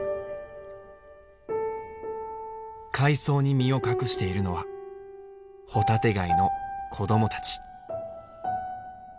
海藻に身を隠しているのはホタテガイの子供たち。